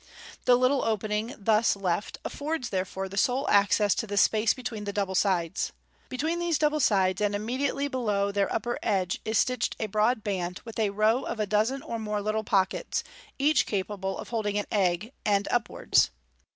The little opening thus left affords therefore the sole access to the space between the double sides. Between these double sides, and immediately below their upper edge, is stitched a broad band, with a row of a dozen or more little pockets, each capable of holding an egg, end up wards.